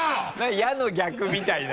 「や」の逆みたいな。